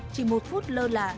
chỉ một phút lơ là